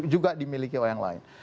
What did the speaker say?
juga dimiliki oleh yang lain